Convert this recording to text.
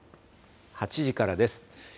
８時からです。